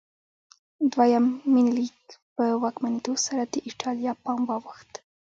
دویم منیلیک په واکمنېدو سره د ایټالیا پام واوښت.